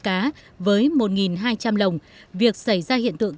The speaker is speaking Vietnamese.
cá với một hai trăm linh lồng việc xảy ra hiện tượng